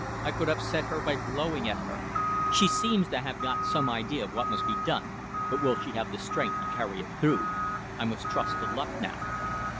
I could upset her by blowing at her. She seems to have got some idea of what must be done, but will she have the strength to carry it through? I must trust to luck now!